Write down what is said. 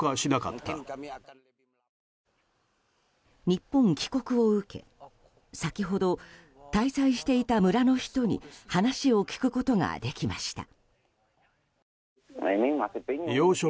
日本帰国を受け先ほど、滞在していた村の人に話を聞くことができました。